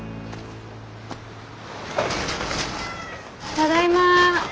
ただいま。